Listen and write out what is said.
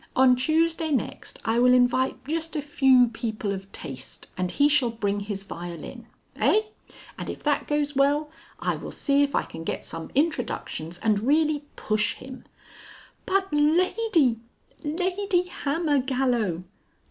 On Tuesday next, I will invite just a few people of taste, and he shall bring his violin. Eigh? And if that goes well, I will see if I can get some introductions and really push him." "But Lady, Lady Hammergallow."